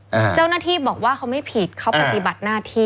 เจ้าหน้าที่บอกว่าเขาไม่ผิดเขาปฏิบัติหน้าที่